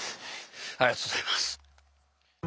ありがとうございます。